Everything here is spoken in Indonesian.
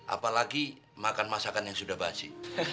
apalagi makan masakan yang sudah basi